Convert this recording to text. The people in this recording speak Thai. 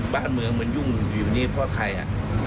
บ้านเมืองมันยุ่งอยู่นี่เพราะใครอ่ะ